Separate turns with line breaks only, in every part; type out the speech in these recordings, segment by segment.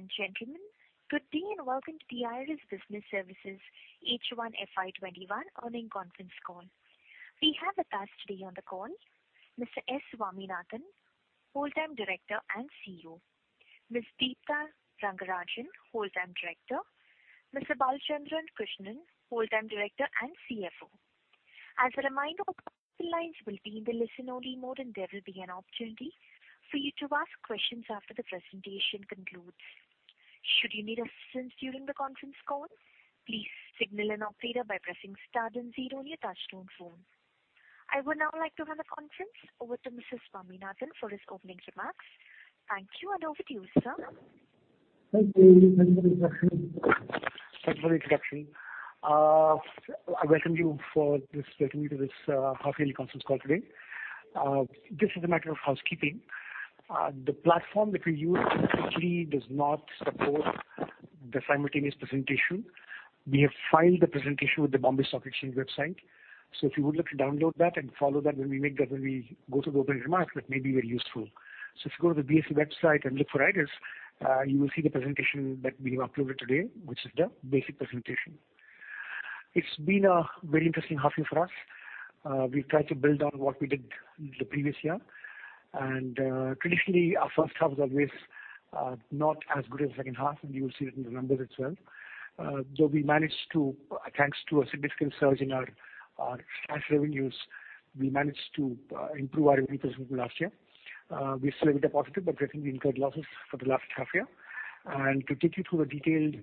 Ladies and gentlemen, good day, and welcome to the IRIS Business Services H1 FY 2021 earnings conference call. We have with us today on the call Mr. S. Swaminathan, Whole-time Director and CEO. Ms. Deepta Rangarajan, Whole Time Director. Mr. Balachandran Krishnan, Whole-time Director and CFO. As a reminder, the lines will be in the listen-only mode and there will be an opportunity for you to ask questions after the presentations concludes. Should you need assistance during the conference call, please signal an operator by pressing star and then zero on your touchtone phone. I would now like to hand the conference over to Mr. Swaminathan for his opening remarks. Thank you, and over to you, sir.
Thank you. Thank you for the introduction. I welcome you to this half-yearly conference call today. Just as a matter of housekeeping, the platform that we use technically does not support the simultaneous presentation. We have filed the presentation with the Bombay Stock Exchange website. If you would like to download that and follow that when we go through the opening remarks, that may be very useful. If you go to the BSE website and look for IRIS, you will see the presentation that we have uploaded today, which is the basic presentation. It's been a very interesting half year for us. We've tried to build on what we did the previous year. Traditionally, our first half is always not as good as the second half, and you will see that in the numbers as well. Thanks to a significant surge in our SaaS revenues, we managed to improve our revenues from last year. We still ended up positive, I think we incurred losses for the last half year. To take you through the detailed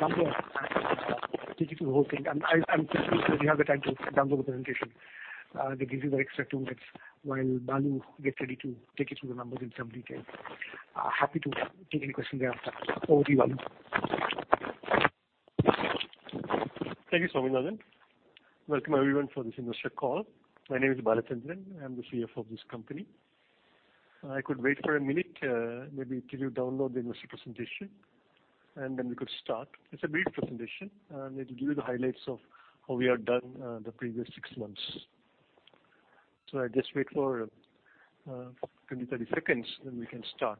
numbers and take you through the whole thing, I'm pleased that we have the time to download the presentation. That gives you the extra two minutes while Balu gets ready to take you through the numbers in some detail. Happy to take any questions thereafter. Over to you, Balu.
Thank you, Swaminathan. Welcome, everyone, for this investor call. My name is Balachandran. I'm the CFO of this company. I could wait for a minute, maybe till you download the investor presentation, and then we could start. It's a brief presentation, and it'll give you the highlights of how we have done the previous six months. I'll just wait for 20, 30 seconds, then we can start.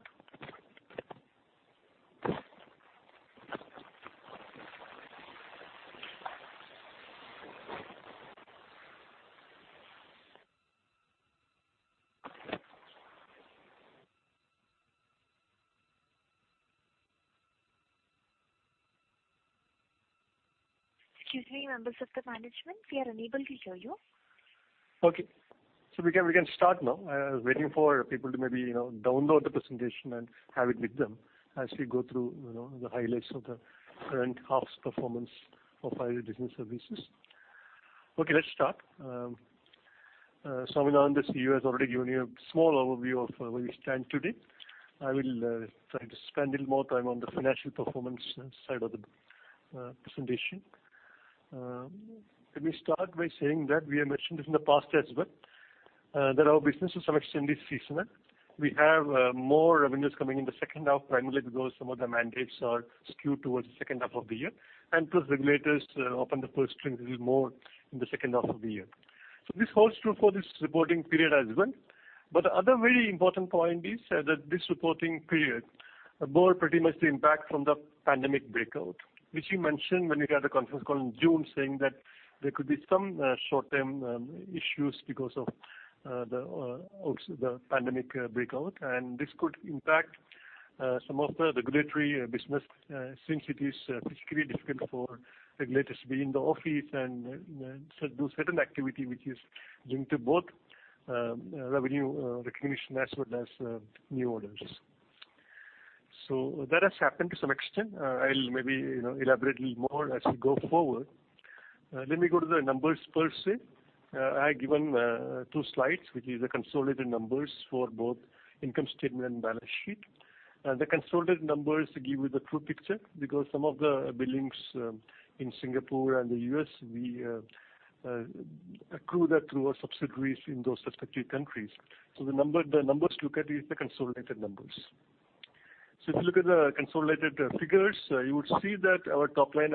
Excuse me, members of the management, we are unable to hear you.
Okay. We can start now. I was waiting for people to maybe download the presentation and have it with them as we go through the highlights of the current half's performance of IRIS Business Services. Okay, let's start. Swaminathan, the CEO, has already given you a small overview of where we stand today. I will try to spend a little more time on the financial performance side of the presentation. Let me start by saying that we have mentioned this in the past as well, that our business is extremely seasonal. We have more revenues coming in the second half, primarily because some of the mandates are skewed towards the second half of the year. Plus regulators open the purse strings a little more in the second half of the year. This holds true for this reporting period as well. The other very important point is that this reporting period bore pretty much the impact from the pandemic breakout, which we mentioned when we had a conference call in June saying that there could be some short-term issues because of the pandemic breakout. This could impact some of the regulatory business since it is particularly difficult for regulators to be in the office and do certain activity, which is linked to both revenue recognition as well as new orders. That has happened to some extent. I'll maybe elaborate a little more as we go forward. Let me go to the numbers per se. I have given two slides, which is the consolidated numbers for both income statement and balance sheet. The consolidated numbers give you the true picture because some of the billings in Singapore and the U.S., we accrue that through our subsidiaries in those respective countries. The numbers to look at is the consolidated numbers. If you look at the consolidated figures, you would see that our top line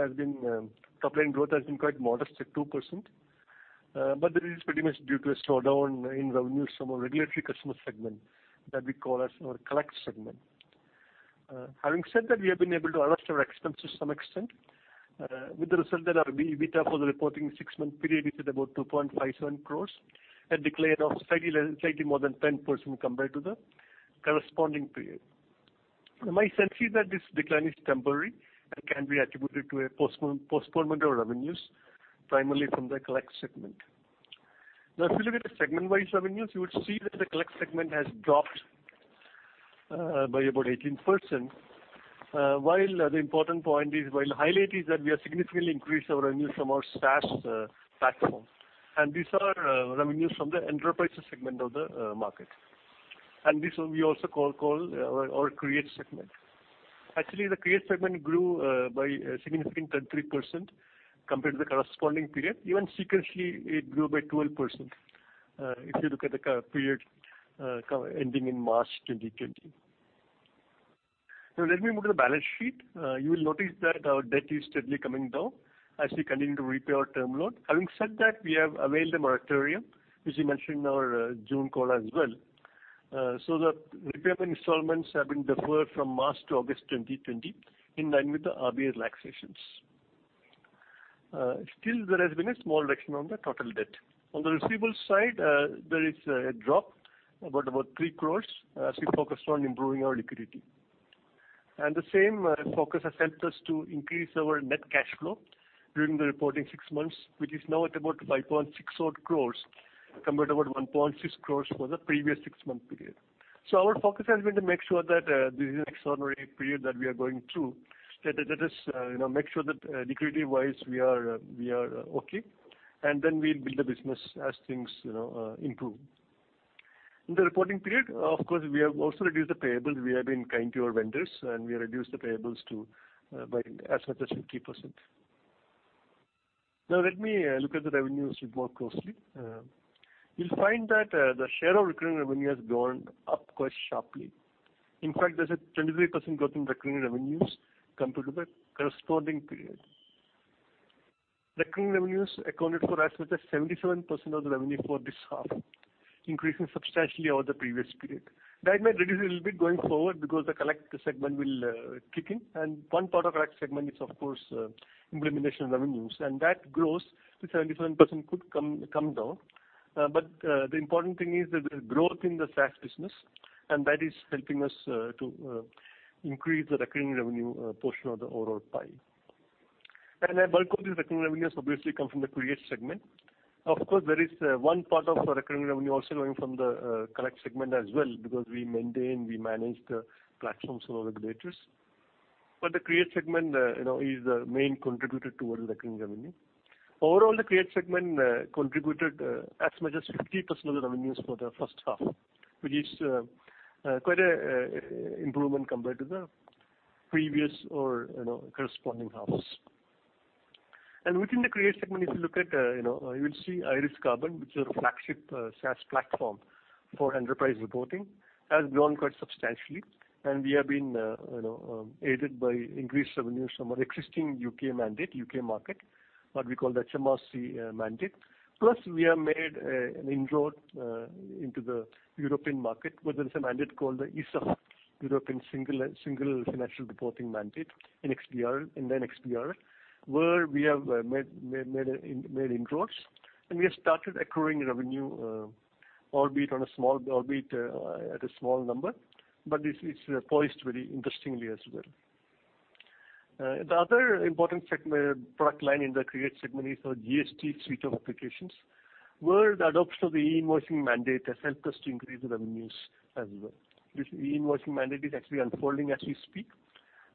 growth has been quite modest at 2%. This is pretty much due to a slowdown in revenues from our regulatory customer segment that we call as our Collect segment. Having said that, we have been able to adjust our expenses to some extent, with the result that our EBITDA for the reporting six-month period, which is about 2.57 crores, a decline of slightly more than 10% compared to the corresponding period. My sense is that this decline is temporary and can be attributed to a postponement of revenues, primarily from the Collect segment. If you look at the segment-wise revenues, you would see that the Collect segment has dropped by about 18%, while the highlight is that we have significantly increased our revenues from our SaaS platform. These are revenues from the enterprise segment of the market. This one we also call our Create segment. Actually, the Create segment grew by a significant 33% compared to the corresponding period. Even sequentially, it grew by 12%, if you look at the period ending in March 2020. Let me move to the balance sheet. You will notice that our debt is steadily coming down as we continue to repay our term loan. Having said that, we have availed the moratorium, which we mentioned in our June call as well. The repayment installments have been deferred from March to August 2020 in line with the RBI relaxations. Still there has been a small reduction on the total debt. On the receivables side, there is a drop about 3 crores as we focused on improving our liquidity. The same focus has helped us to increase our net cash flow during the reporting six months, which is now at about 5.6 odd crores compared to about 1.6 crores for the previous six-month period. Our focus has been to make sure that this is an extraordinary period that we are going through. Let us make sure that liquidity-wise, we are okay, and then we build the business as things improve. In the reporting period, of course, we have also reduced the payables. We have been kind to our vendors, and we reduced the payables by as much as 50%. Now let me look at the revenues bit more closely. You'll find that the share of recurring revenue has gone up quite sharply. There's a 23% growth in recurring revenues compared to the corresponding period. Recurring revenues accounted for as much as 77% of the revenue for this half, increasing substantially over the previous period. That might reduce a little bit going forward because the Collect segment will kick in, and one part of the Collect segment is, of course, implementation revenues, and that grows, so 77% could come down. The important thing is that there's growth in the SaaS business, and that is helping us to increase the recurring revenue portion of the overall pie. A bulk of these recurring revenues obviously come from the Create segment. Of course, there is one part of our recurring revenue also coming from the Collect segment as well because we maintain, we manage the platforms for our regulators. The Create segment is the main contributor towards recurring revenue. Overall, the Create segment contributed as much as 50% of the revenues for the first half, which is quite an improvement compared to the previous or corresponding halves. Within the Create segment, if you look at, you will see IRIS CARBON, which is our flagship SaaS platform for enterprise reporting, has grown quite substantially, and we have been aided by increased revenues from our existing U.K. mandate, U.K. market, what we call the HMRC mandate. We have made an inroad into the European market, where there is a mandate called the ESEF, European Single Electronic Format mandate in XBRL and iXBRL, where we have made inroads, and we have started accruing revenue, albeit at a small number, but it's poised very interestingly as well. The other important product line in the Create segment is our GST suite of applications, where the adoption of the e-invoicing mandate has helped us to increase the revenues as well. This e-invoicing mandate is actually unfolding as we speak.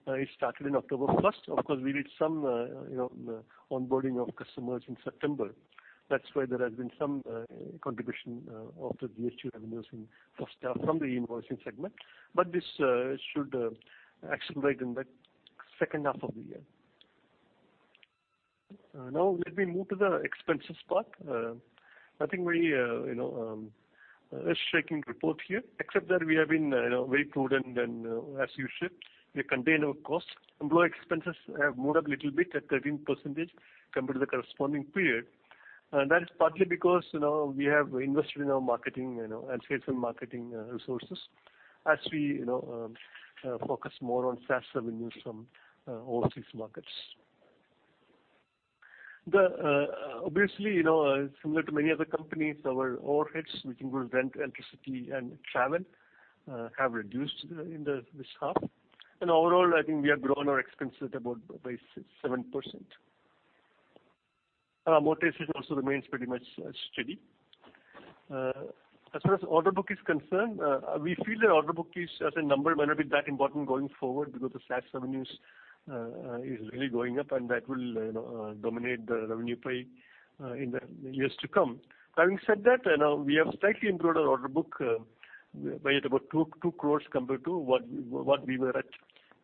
It started on October 1st. Of course, we did some onboarding of customers in September. That's why there has been some contribution of the GST revenues from the e-invoicing segment. This should accelerate in the second half of the year. Let me move to the expenses part. Nothing very earth-shaking to report here except that we have been very prudent and as you should. We contain our costs. Employee expenses have moved up a little bit at 13% compared to the corresponding period. That is partly because we have invested in our marketing and sales and marketing resources as we focus more on SaaS revenues from overseas markets. Obviously, similar to many other companies, our overheads, which include rent, electricity, and travel, have reduced in this half. Overall, I think we have grown our expenses at about by 7%. Our mortgage also remains pretty much steady. As far as order book is concerned, we feel that order book as a number may not be that important going forward because the SaaS revenues is really going up, and that will dominate the revenue pie in the years to come. Having said that, we have slightly improved our order book by about 2 crore compared to what we were at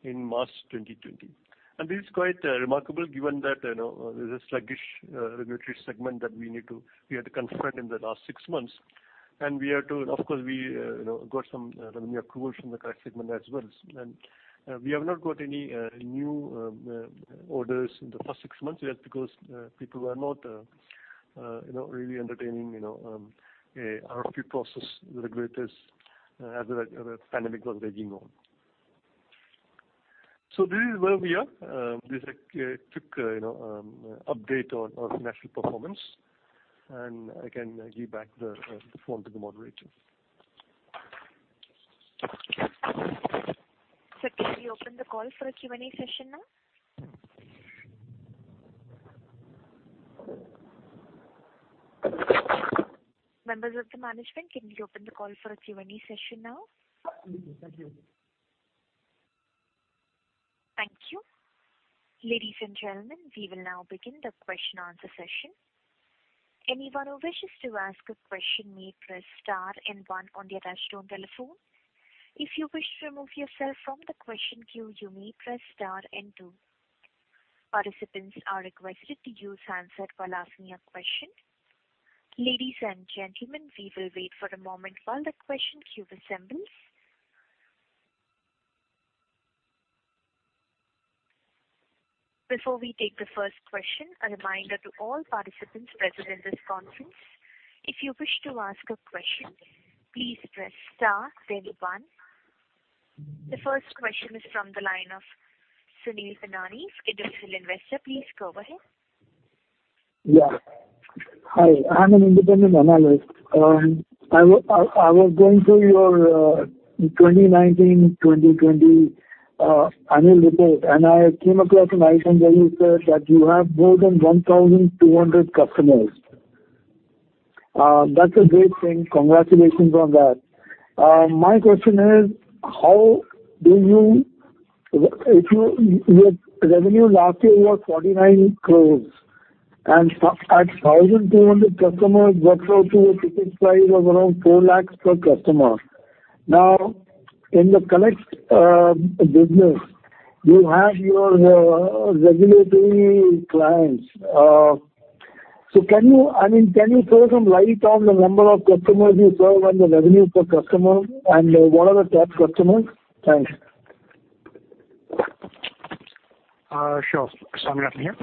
in March 2020. This is quite remarkable given that there's a sluggish regulatory segment that we had to confront in the last six months. Of course, we got some revenue accruals from the Collect segment as well. We have not got any new orders in the first six months yet because people were not really entertaining RFP process regulators as the pandemic was raging on. This is where we are. This is a quick update on our financial performance, and I can give back the floor to the moderator.
Sir, can we open the call for a Q and A session now? Members of the management, can we open the call for a Q and A session now?
Thank you.
Thank you. Ladies and gentlemen, we will now begin the question and answer session. Anyone who wishes to ask a question may press star and one on the attached telephone. If you wish to remove yourself from the question queue, you may press star and two. Participants are requested to use handset while asking a question. Ladies and gentlemen, we will wait for a moment while the question queue assembles. Before we take the first question, a reminder to all participants present in this conference. If you wish to ask a question, please press star, then one. The first question is from the line of Sunil Binani, individual investor. Please go ahead.
Hi, I'm an independent analyst. I was going through your 2019-2020 annual report, and I came across an item where you said that you have more than 1,200 customers. That's a great thing. Congratulations on that. My question is, your revenue last year was 49 crore, and at 1,200 customers, that's up to a ticket size of around 4 lakh per customer. In the Collect business, you have your regulatory clients. Can you throw some light on the number of customers you serve and the revenue per customer, and what are the top customers? Thanks.
Sure. Swaminathan here.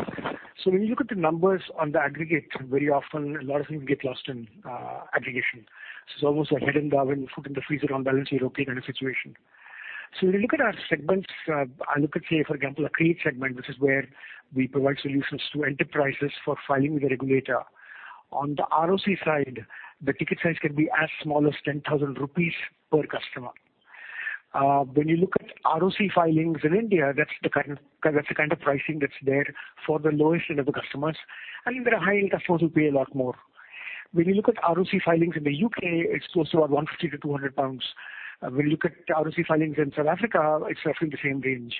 When you look at the numbers on the aggregate, very often, a lot of things get lost in aggregation. It's almost like one's head in the oven and food in the freezer on balance sheet, okay, kind of situation. When you look at our segments, I look at, say, for example, a Create segment, which is where we provide solutions to enterprises for filing with the regulator. On the ROC side, the ticket size can be as small as 10,000 rupees per customer. When you look at ROC filings in India, that's the kind of pricing that's there for the lowest end of the customers, and there are high-end customers who pay a lot more. When you look at ROC filings in the U.K., it's close to around 150-200 pounds. When you look at ROC filings in South Africa, it's roughly the same range.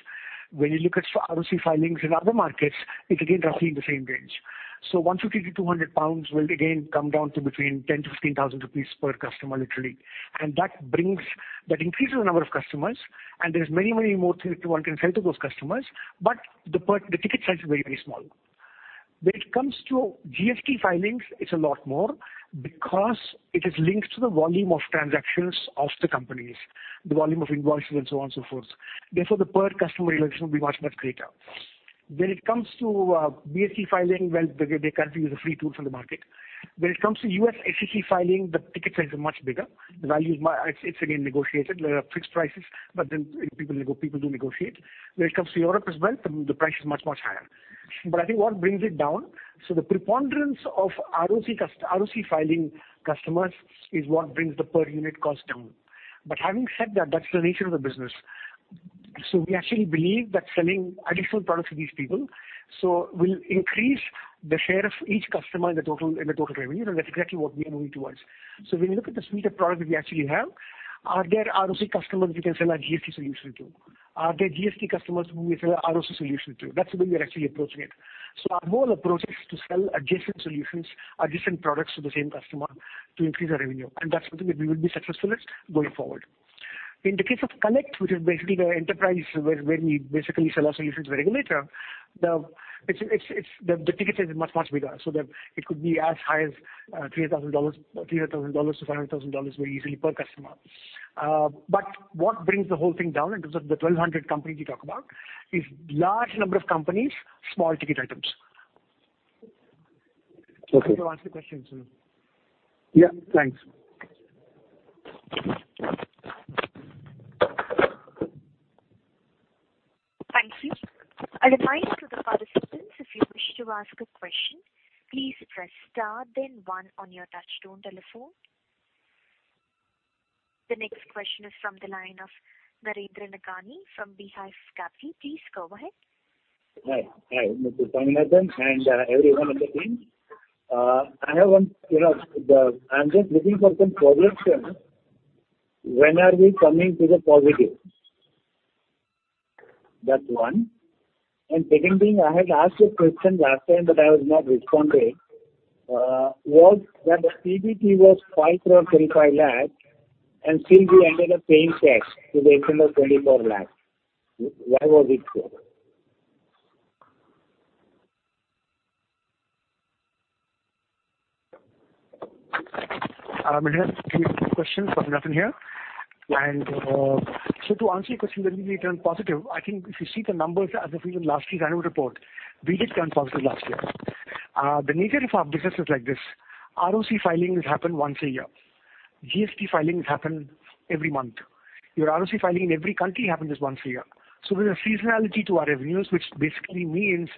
When you look at ROC filings in other markets, it's again roughly in the same range. 150-200 pounds will again come down to between 10,000-15,000 rupees per customer, literally. That increases the number of customers, and there's many more things that one can sell to those customers, but the ticket size is very small. When it comes to GST filings, it's a lot more because it is linked to the volume of transactions of the companies, the volume of invoices and so on and so forth. Therefore, the per-customer realization will be much greater. When it comes to BSE filing, well, they currently use a free tool from the market. When it comes to U.S. SEC filing, the ticket size is much bigger. It's again negotiated. There are fixed prices, but then people do negotiate. When it comes to Europe as well, the price is much higher. I think what brings it down, so the preponderance of ROC filing customers is what brings the per-unit cost down. Having said that's the nature of the business. We actually believe that selling additional products to these people will increase the share of each customer in the total revenue, and that's exactly what we are moving towards. When you look at the suite of products that we actually have, are there ROC customers we can sell our GST solutions to? Are there GST customers whom we sell our ROC solution to? That's the way we are actually approaching it. Our whole approach is to sell adjacent solutions, adjacent products to the same customer to increase our revenue, and that's something that we will be successful at going forward. In the case of Collect, which is basically the enterprise where we basically sell our solutions to the regulator, the ticket size is much bigger. That it could be as high as $300,000-$500,000 very easily per customer. What brings the whole thing down in terms of the 1,200 companies you talk about is large number of companies, small ticket items.
Okay.
I hope I answered your question, Sunil.
Yeah, thanks.
Thank you. A reminder to the participants, if you wish to ask a question, please press star then one on your touchtone telephone. The next question is from the line of Narendra Negandhi from Beehive Capital. Please go ahead.
Hi. Hi, Mr. Swaminathan and everyone on the team. I'm just looking for some problem statement. When are we coming to the positive? That's one. Second thing, I had asked a question last time that I was not responded, was that the PBT was 5.35 lakh, and still we ended up paying tax to the extent of 24 lakh. Why was it so?
Narendra, two questions. Swaminathan here. To answer your question, when we turn positive, I think if you see the numbers as of even last year's annual report, we did turn positive last year. The nature of our business is like this. ROC filings happen once a year. GST filings happen every month. Your ROC filing in every country happens just once a year. There's a seasonality to our revenues, which basically means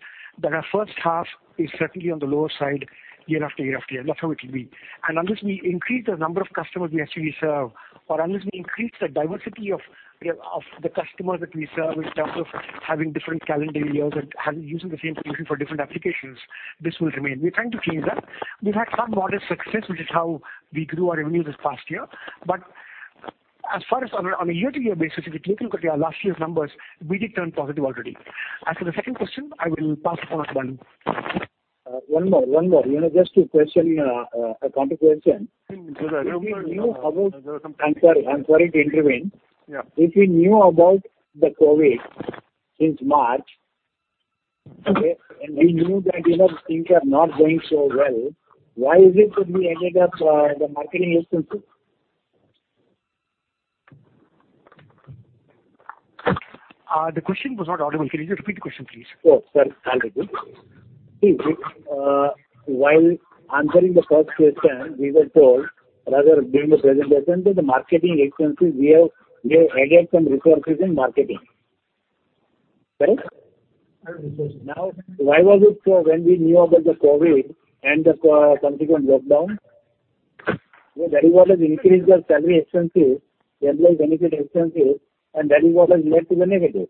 that our first half is certainly on the lower side year-after-year. That's how it'll be. Unless we increase the number of customers we actually serve, or unless we increase the diversity of the customers that we serve in terms of having different calendar years and using the same solution for different applications, this will remain. We're trying to change that. We've had some modest success, which is how we grew our revenue this past year. As far as on a year-to-year basis, if you take a look at our last year's numbers, we did turn positive already. As for the second question, I will pass it on to Balu.
One more. Just to question a counter-question.
Sir, I don't know.
I'm sorry to intervene.
Yeah.
If you knew about the COVID since March, okay, and we knew that things are not going so well, why is it that we ended up the marketing expenses?
The question was not audible. Can you just repeat the question, please?
Oh, sorry. I'll repeat. While answering the first question, we were told, rather, during the presentation that the marketing expenses, we have added some resources in marketing. Correct?
I understand.
Now, why was it so when we knew about the COVID and the consequent lockdown? That is what has increased our salary expenses, employee benefit expenses, and that is what has led to the negative.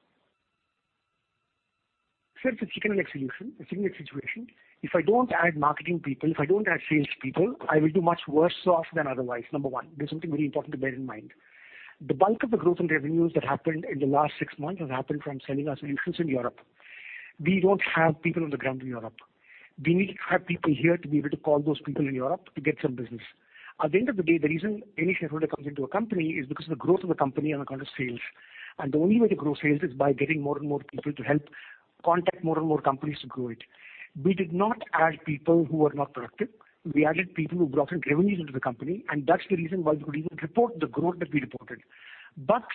Sir, it's a chicken and egg situation. If I don't add marketing people, if I don't add sales people, I will do much worse off than otherwise. Number one. That's something very important to bear in mind. The bulk of the growth in revenues that happened in the last six months has happened from selling our solutions in Europe. We don't have people on the ground in Europe. We need to have people here to be able to call those people in Europe to get some business. At the end of the day, the reason any shareholder comes into a company is because of the growth of the company on account of sales. The only way to grow sales is by getting more and more people to help contact more and more companies to grow it. We did not add people who were not productive. We added people who brought in revenues into the company. That's the reason why we could even report the growth that we reported.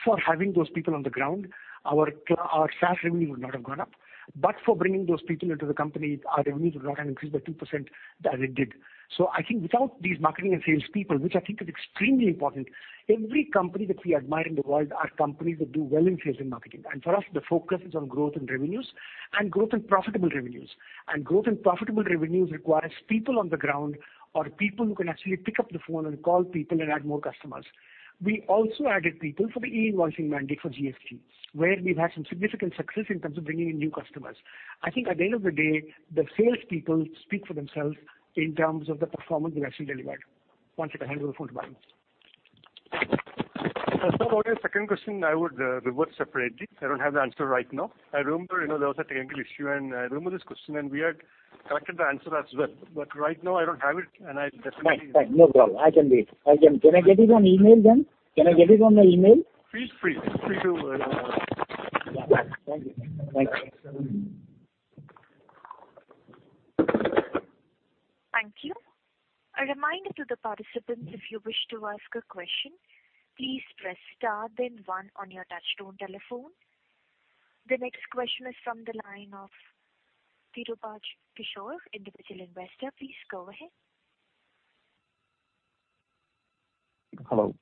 For having those people on the ground, our SaaS revenue would not have gone up. For bringing those people into the company, our revenues would not have increased by 2% as it did. I think without these marketing and sales people, which I think is extremely important, every company that we admire in the world are companies that do well in sales and marketing. For us, the focus is on growth in revenues and growth in profitable revenues. Growth in profitable revenues requires people on the ground or people who can actually pick up the phone and call people and add more customers. We also added people for the e-invoicing mandate for GST, where we've had some significant success in terms of bringing in new customers. I think at the end of the day, the sales people speak for themselves in terms of the performance we've actually delivered. Once again, I hand over the phone to Balu.
Sir, about your second question, I would revert separately. I don't have the answer right now. I remember there was a technical issue, and I remember this question, and we had collected the answer as well. Right now, I don't have it.
Right. No problem. I can wait. Can I get it on email then? Can I get it on my email?
Please, free to.
Yeah. Thank you.
Thank you.
Thank you. A reminder to the participants, if you wish to ask a question, please press star then one on your touchtone telephone. The next question is from the line of Tirupaj Kishor, individual investor. Please go ahead.
Hello,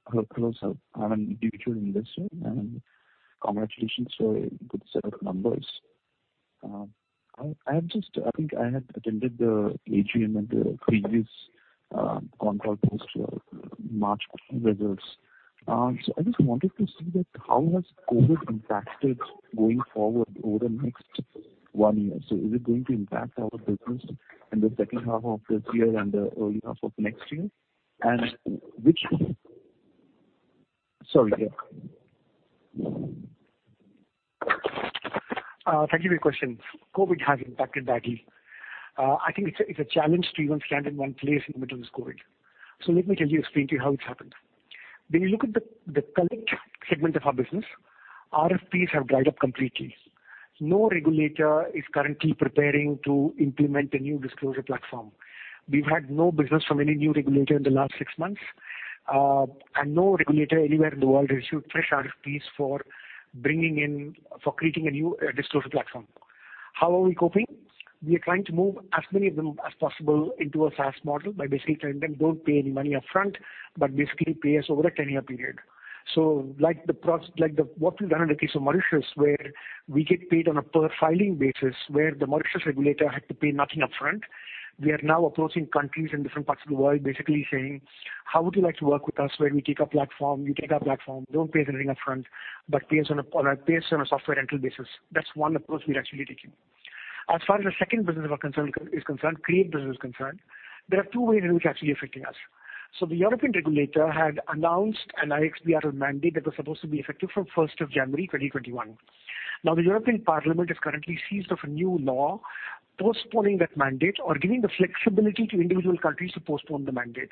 sir. I'm an individual investor, congratulations for a good set of numbers. I think I had attended the AGM and the previous con call post your March results. I just wanted to see that how has COVID impacted going forward over the next one year. Is it going to impact our business in the second half of this year and the early half of next year? Sorry.
Thank you for your question. COVID has impacted badly. I think it's a challenge to even stand in one place in the middle of this COVID. Let me tell you, explain to you how it's happened. When you look at the Collect segment of our business, RFPs have dried up completely. No regulator is currently preparing to implement a new disclosure platform. We've had no business from any new regulator in the last six months, and no regulator anywhere in the world has issued fresh RFPs for creating a new disclosure platform. How are we coping? We are trying to move as many of them as possible into a SaaS model by basically telling them, "Don't pay any money upfront, but basically pay us over a 10-year period." Like what we've done in the case of Mauritius, where we get paid on a per filing basis, where the Mauritius regulator had to pay nothing upfront. We are now approaching countries in different parts of the world, basically saying, "How would you like to work with us where you take our platform, don't pay us anything upfront, but pay us on a software rental basis?" That's one approach we're actually taking. As far as the second business is concerned, Create business is concerned, there are two ways in which it's actually affecting us. The European regulator had announced an iXBRL mandate that was supposed to be effective from 1st of January 2021. The European Parliament is currently seized of a new law postponing that mandate or giving the flexibility to individual countries to postpone the mandate.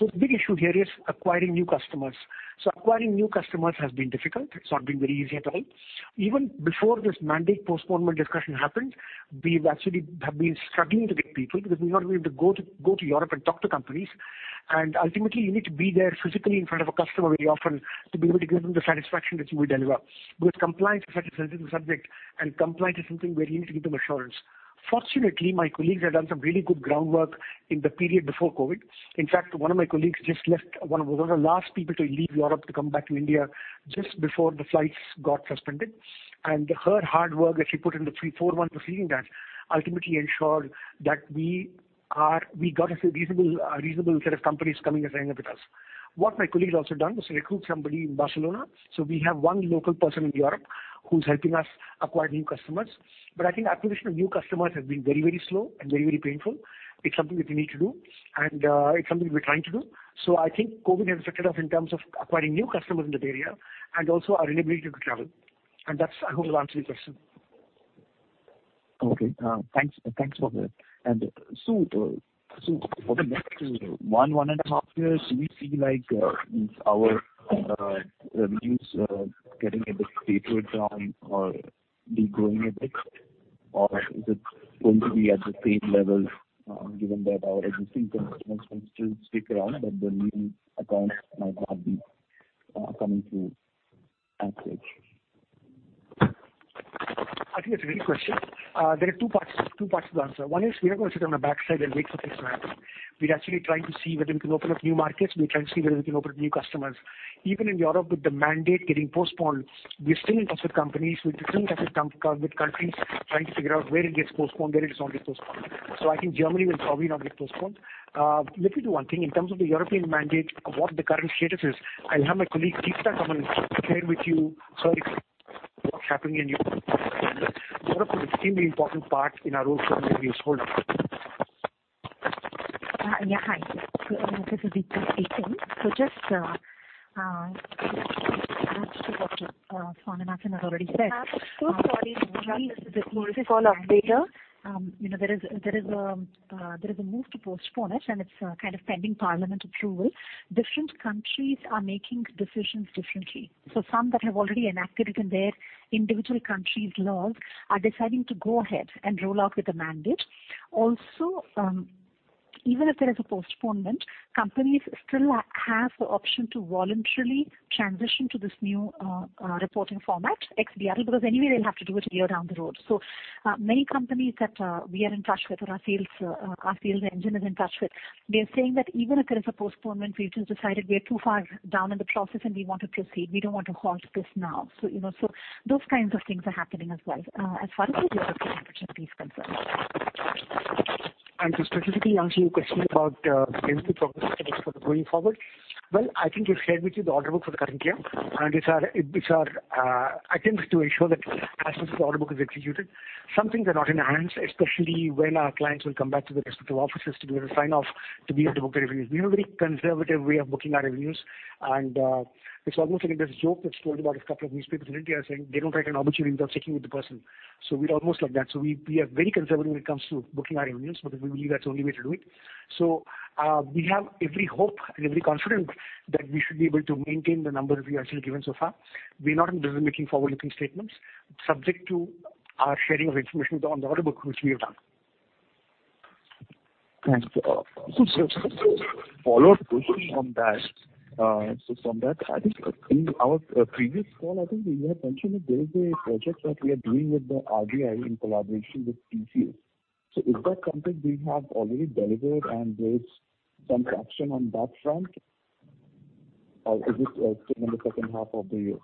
The big issue here is acquiring new customers. Acquiring new customers has been difficult. It's not been very easy at all. Even before this mandate postponement discussion happened, we've actually have been struggling to get people because we're not able to go to Europe and talk to companies. Ultimately, you need to be there physically in front of a customer very often to be able to give them the satisfaction that you will deliver. Compliance is such a sensitive subject, and compliance is something where you need to give them assurance. Fortunately, my colleagues have done some really good groundwork in the period before COVID. In fact, one of my colleagues just left, one of the last people to leave Europe to come back to India just before the flights got suspended. Her hard work that she put in the three, four months preceding that ultimately ensured that we got a reasonable set of companies coming and signing up with us. What my colleague has also done was recruit somebody in Barcelona. We have one local person in Europe who's helping us acquire new customers. I think acquisition of new customers has been very, very slow and very, very painful. It's something that we need to do, and it's something we're trying to do. I think COVID-19 has affected us in terms of acquiring new customers in that area and also our inability to travel. That's, I hope, will answer your question.
Okay. Thanks for that. For the next one, one and a half years, we see our revenues getting a bit tapered down or degrowing a bit, or is it going to be at the same level, given that our existing customers will still stick around, but the new accounts might not be coming through as such?
I think that's a great question. There are two parts to the answer. One is we are going to sit on our backside and wait for six months. We'd actually try to see whether we can open up new markets. We try to see whether we can open new customers. Even in Europe, with the mandate getting postponed, we're still in touch with companies. We're still in touch with countries trying to figure out where it gets postponed, where it does not get postponed. I think Germany will probably not get postponed. Let me do one thing. In terms of the European mandate, what the current status is, I'll have my colleague, Deepta, come and share with you, sir, what's happening in Europe. Europe is extremely important part in our overall business hold.
Yeah. Hi. This is Deepta speaking. Just to add to what Swaminathan has already said.
Sorry, Deepta. This is call operator.
There is a move to postpone it. It's kind of pending Parliament approval. Different countries are making decisions differently. Some that have already enacted it in their individual countries' laws are deciding to go ahead and roll out with the mandate. Also, even if there is a postponement, companies still have the option to voluntarily transition to this new reporting format, XBRL, because anyway, they'll have to do it a year down the road. Many companies that we are in touch with or our sales engine is in touch with, they're saying that even if there is a postponement, we just decided we are too far down in the process and we want to proceed. We don't want to halt this now. Those kinds of things are happening as well, as far as the European region is concerned.
To specifically answer your question about sales progress status for going forward. Well, I think we've shared with you the order book for the current year, and these are items to ensure that as the order book is executed, some things are not in our hands, especially when our clients will come back to their respective offices to give a sign-off to be able to book the revenues. We have a very conservative way of booking our revenues, and it's almost like this joke that's told about a couple of newspapers in India saying they don't write an obituary without checking with the person. We're almost like that. We are very conservative when it comes to booking our revenues, but we believe that's the only way to do it. We have every hope and every confidence that we should be able to maintain the numbers we have actually given so far. We're not in the business of making forward-looking statements subject to our sharing of information on the order book, which we have done.
Thanks. Just a follow-up question on that. From that, I think in our previous call, I think we had mentioned that there is a project that we are doing with the RBI in collaboration with TCS. Is that something we have already delivered and there's some traction on that front? Or is it still in the second half of the year?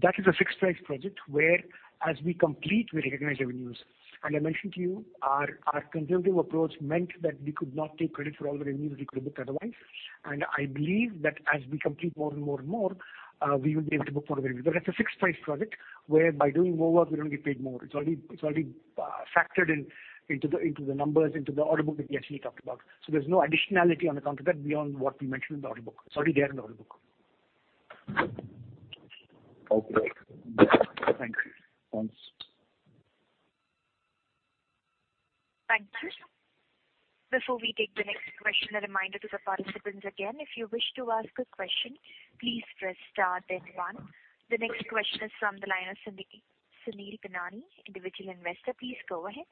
That is a fixed price project where as we complete, we recognize revenues. I mentioned to you, our conservative approach meant that we could not take credit for all the revenues we could have booked otherwise. I believe that as we complete more and more, we will be able to book more revenue. It's a fixed price project where by doing more work, we don't get paid more. It's already factored into the numbers, into the order book that we actually talked about. There's no additionality on account of that beyond what we mentioned in the order book. It's already there in the order book.
Okay.
Thank you.
Thanks.
Thank you. Before we take the next question, a reminder to the participants again, if you wish to ask a question, please press star then one. The next question is from the line of Sunil Benani, individual investor. Please go ahead.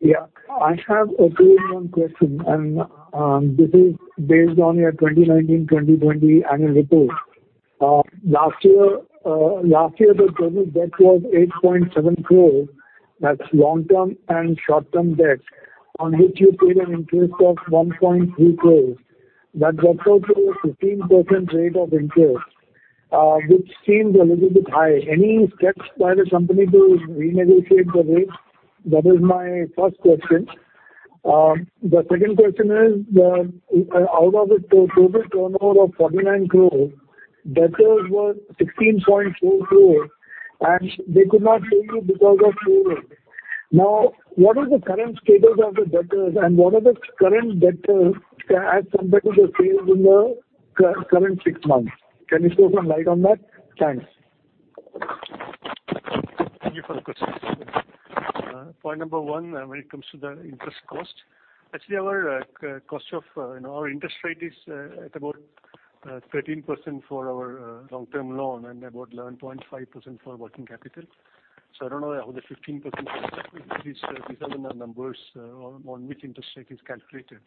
Yeah. I have a two-in-one question, this is based on your 2019/2020 annual report. Last year, the total debt was 8.7 crore. That's long-term and short-term debt on which you paid an interest of 1.3 crore. That works out to a 15% rate of interest, which seems a little bit high. Any steps by the company to renegotiate the rate? That is my first question. The second question is, out of the total turnover of 49 crore, debtors were 16.4 crore and they could not pay you because of COVID-19. What is the current status of the debtors and what are the current debtors as compared to the sales in the current six months? Can you throw some light on that? Thanks.
Thank you for the questions. Point number one, when it comes to the interest cost, actually our interest rate is at about 13% for our long-term loan and about 11.5% for working capital. I don't know how the 15% these are the numbers on which interest rate is calculated.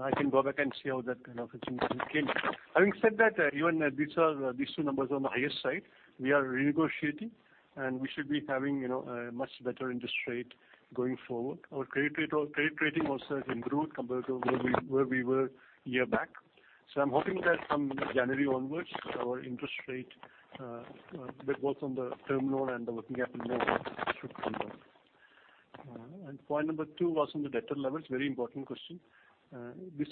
I can go back and see how that kind of a thing came. Having said that, even these two numbers on the higher side, we are renegotiating and we should be having a much better interest rate going forward. Our credit rating also has improved compared to where we were a year back. I'm hoping that from January onwards, our interest rate, both on the term loan and the working capital loan, should come down. Point number two was on the debtor levels. Very important question. This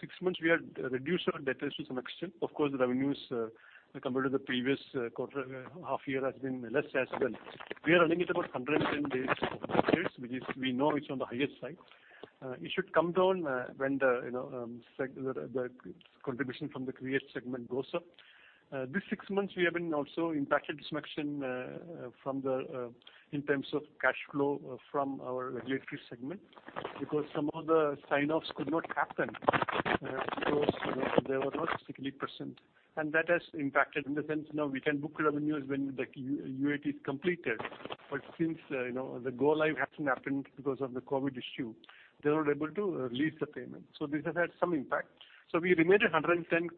six months we had reduced our debtors to some extent. Of course, the revenues compared to the previous half year has been less as well. We are running at about 110 days, which we know it's on the highest side. It should come down when the contribution from the Create segment goes up. These six months, we have been also impacted this much in terms of cash flow from our regulatory segment, because some of the sign-offs could not happen. Because they were not 60%. That has impacted in the sense now we can book revenues when the UAT is completed. Since the go live hasn't happened because of the COVID issue, they're not able to release the payment. This has had some impact. We remained at 110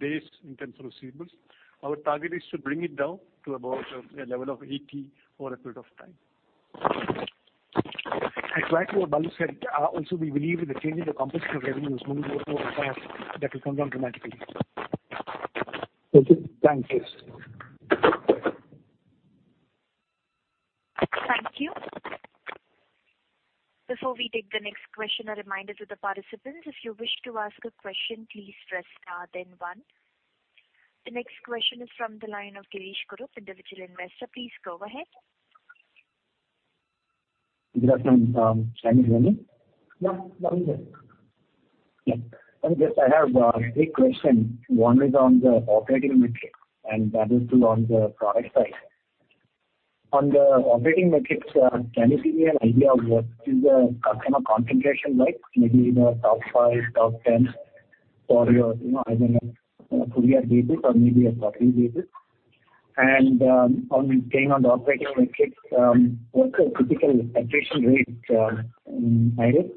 days in terms of receivables. Our target is to bring it down to about a level of 80 over a period of time.
Exactly what Balu said. We believe with the change in the composition of revenues moving forward, that will come down dramatically.
Thank you.
Thank you. Before we take the next question, a reminder to the participants, if you wish to ask a question, please press star then one. The next question is from the line of Girish Kurup, individual investor. Please go ahead.
Good afternoon. Am I audible?
Yeah. Loud and clear.
Yeah. I have three questions. One is on the operating metrics and the other two on the product side. On the operating metrics, can you give me an idea of what is the customer concentration like? Maybe in the top five, top 10 for your annual, on a full year basis or maybe a quarterly basis. Staying on the operating metrics, what's your typical attrition rate in IRIS?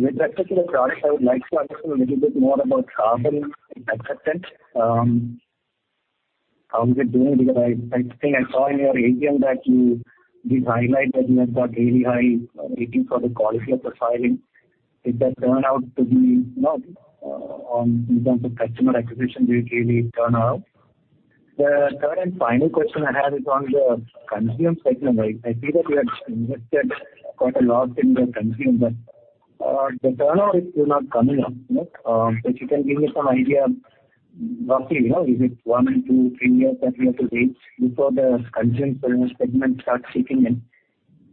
With respect to the product, I would like to understand a little bit more about CARBON acceptance. How is it doing? I think I saw in your AGM that you did highlight that you have got really high ratings for the quality of the filing. In terms of customer acquisition, did it really turn out? The third and final question I have is on the Consume segment. I see that you have invested quite a lot in the Consume segment. The turnover is not coming up. If you can give me some idea roughly, is it one to two, three years that we have to wait before the Consume segment starts kicking in?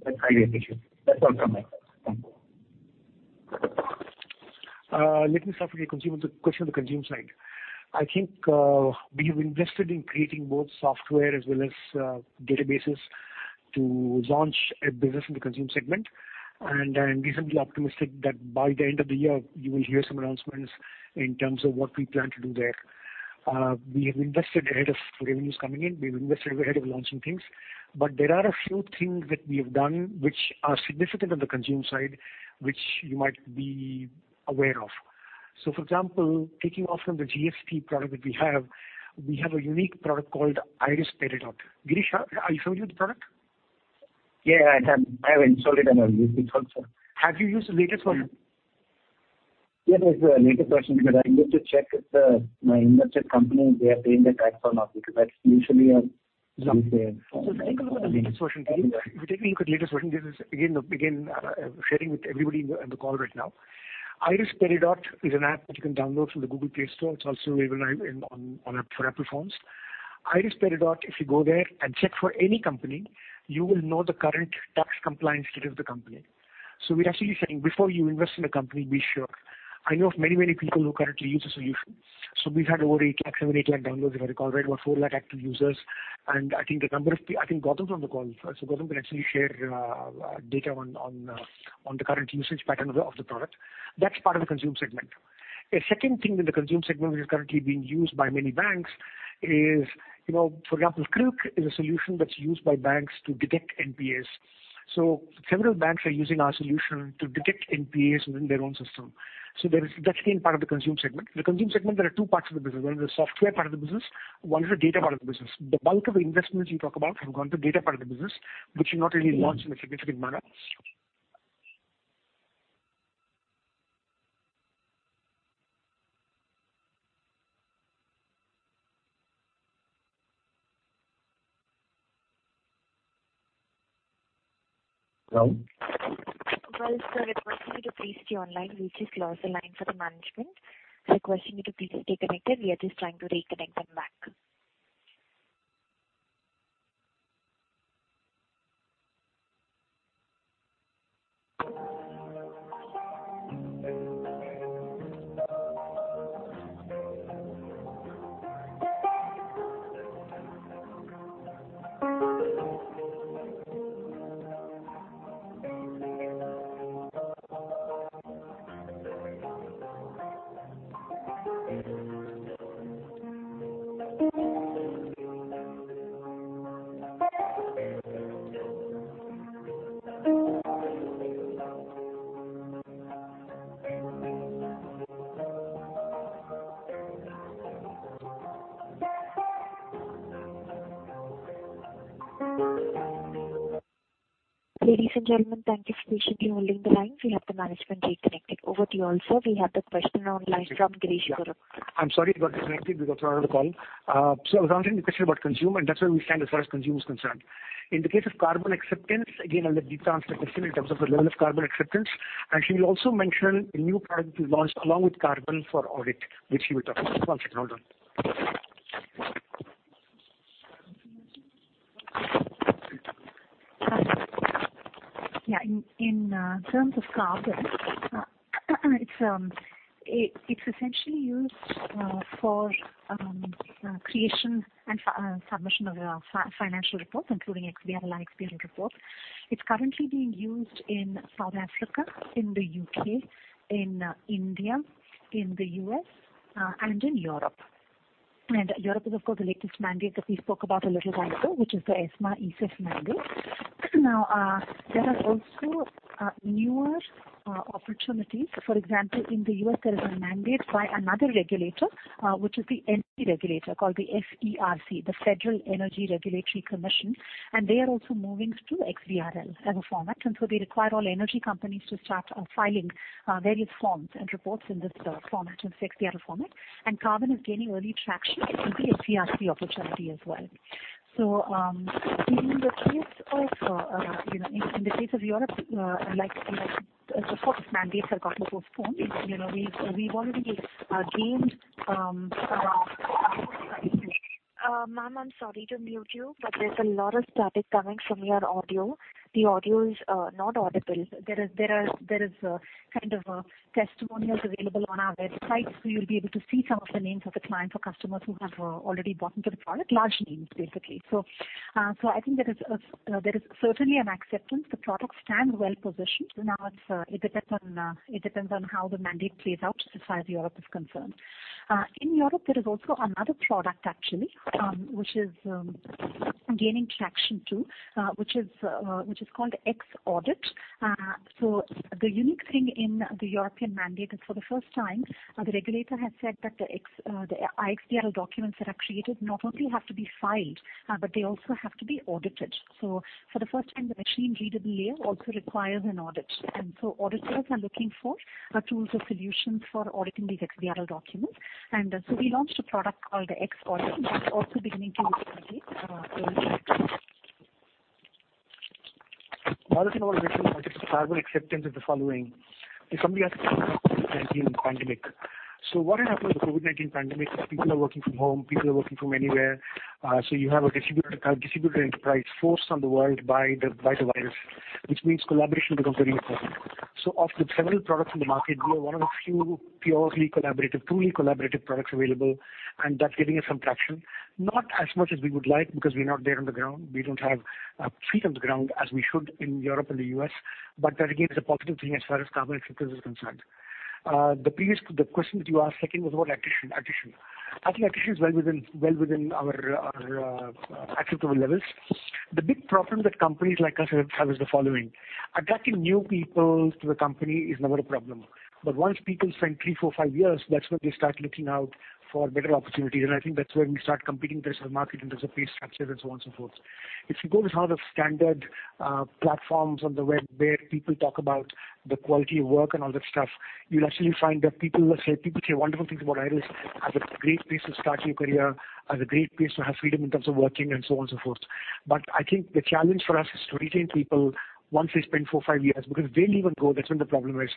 That's my question. That's all from my side. Thank you.
Let me start with the question on the Consume side. I think we have invested in creating both software as well as databases to launch a business in the Consume segment. I'm reasonably optimistic that by the end of the year, you will hear some announcements in terms of what we plan to do there. We have invested ahead of revenues coming in. We've invested ahead of launching things. There are a few things that we have done which are significant on the Consume side, which you might be aware of. For example, taking off from the GST product that we have, we have a unique product called IRIS Peridot. Girish, have I showed you the product?
Yeah, I have installed it and I've used it also.
Have you used the latest version?
Yeah, there's a latest version, but I need to check if my invested company, they are paying their tax or not, because that's usually a.
Take a look at the latest version. If you take a look at latest version, Girish, again, sharing with everybody in the call right now. IRIS Peridot is an app that you can download from the Google Play Store. It's also available for Apple phones. IRIS Peridot, if you go there and check for any company, you will know the current tax compliance status of the company. We're actually saying, before you invest in a company, be sure. I know of many people who currently use the solution. We've had over 8 lakh, 7 or 8 lakh downloads, if I recall right, about 4 lakh active users. I think Gautam's on the call. Gautam can actually share data on the current usage pattern of the product. That's part of the Consume segment. A second thing in the Consume segment which is currently being used by many banks is, for example, CRILC is a solution that's used by banks to detect NPAs. Several banks are using our solution to detect NPAs within their own system. That's again part of the Consume segment. The Consume segment, there are two parts of the business. One is the software part of the business, one is the data part of the business. The bulk of the investments you talk about have gone to data part of the business, which we've not really launched in a significant manner.
Hello?
Well, sir, requesting you to please stay online. We just lost the line for the management. Requesting you to please stay connected. We are just trying to reconnect them back. Ladies and gentlemen, thank you for patiently holding the line. We have the management reconnected. Over to you all, sir. We have the question on line from Girish Kurup.
I'm sorry it got disconnected because I was out of the call. I was asking a question about Consume, and that's where we stand as far as Consume is concerned. In the case of Carbon acceptance, again, I'll let Deepta answer the question in terms of the level of Carbon acceptance. She will also mention a new product we launched along with Carbon for audit, which she will talk about once she comes on the call.
In terms of Carbon, it's essentially used for creation and submission of financial reports, including XBRL iXBRL reports. It's currently being used in South Africa, in the U.K., in India, in the U.S., and in Europe. Europe is, of course, the latest mandate that we spoke about a little while ago, which is the ESMA, ESEF mandate. There are also newer opportunities. For example, in the U.S., there is a mandate by another regulator, which is the energy regulator called the FERC, the Federal Energy Regulatory Commission. They are also moving to XBRL as a format. They require all energy companies to start filing various forms and reports in this format, in XBRL format. Carbon is gaining early traction in the FERC opportunity as well. In the case of Europe, like the fourth mandate I got before, we've already gained.
Ma'am, I'm sorry to mute you, but there's a lot of static coming from your audio. The audio is not audible.
There is kind of testimonials available on our website, so you'll be able to see some of the names of the clients or customers who have already bought into the product, large names, basically. I think there is certainly an acceptance. The product stands well-positioned. Now, it depends on how the mandate plays out as far as Europe is concerned. In Europe, there is also another product actually, which is gaining traction too, which is called xAudit. The unique thing in the European mandate is for the first time, the regulator has said that the iXBRL documents that are created not only have to be filed, but they also have to be audited. For the first time, the machine-readable layer also requires an audit. Auditors are looking for tools or solutions for auditing these XBRL documents. We launched a product called the xAudit. That's also beginning to get.
Other than all this, I think the driver acceptance is the following. If somebody has to think about the COVID-19 pandemic. What has happened with the COVID-19 pandemic is people are working from home, people are working from anywhere. You have a distributed enterprise forced on the world by the virus, which means collaboration becomes very important. Of the several products in the market, we are one of the few purely collaborative, truly collaborative products available, and that's giving us some traction. Not as much as we would like because we're not there on the ground. We don't have feet on the ground as we should in Europe and the U.S., that, again, is a positive thing as far as Carbon acceptance is concerned. The question that you asked second was about attrition. I think attrition is well within our acceptable levels. The big problem that companies like us have is the following. Attracting new people to the company is never a problem. Once people spend three, four, five years, that's when they start looking out for better opportunities, and I think that's where we start competing in terms of the market, in terms of pay structures, and so on and so forth. If you go to sort of standard platforms on the web where people talk about the quality of work and all that stuff, you'll actually find that people say wonderful things about IRIS as a great place to start your career, as a great place to have freedom in terms of working, and so on and so forth. I think the challenge for us is to retain people once they spend four, five years, because they'll even go, that's when the problem is.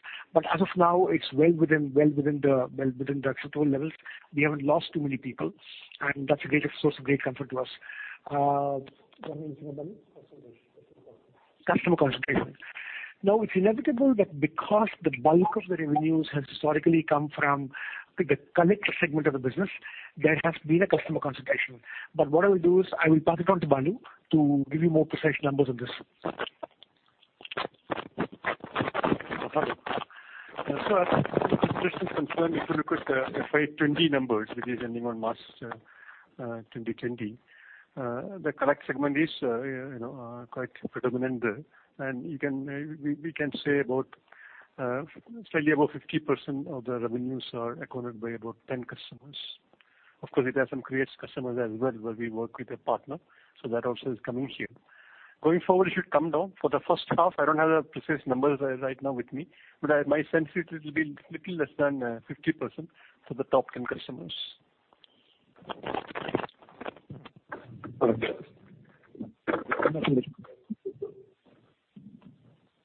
As of now, it's well within the acceptable levels. We haven't lost too many people, and that's a great source of great comfort to us. One minute, Balu.
Customer concentration.
Customer concentration. It's inevitable that because the bulk of the revenues have historically come from the Collect segment of the business, there has been a customer concentration. What I will do is I will pass it on to Balu to give you more precise numbers on this.
As far as this is concerned, if you look at the FY 2020 numbers, which is ending on March 2020, the Collect segment is quite predominant there. We can say about slightly above 50% of the revenues are accounted by about 10 customers. It has some Create customers as well where we work with a partner, that also is coming here. Going forward, it should come down. For the first half, I don't have the precise numbers right now with me, my sense is it will be little less than 50% for the top 10 customers.
Okay.